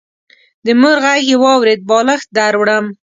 د مور غږ يې واورېد: بالښت دروړم.